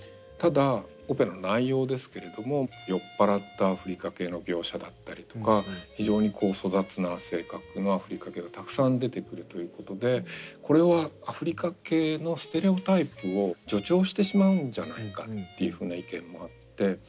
ただオペラの内容ですけれども酔っ払ったアフリカ系の描写だったりとか非常に粗雑な性格のアフリカ系がたくさん出てくるということでこれはアフリカ系のステレオタイプを助長してしまうんじゃないかっていうふうな意見もあって。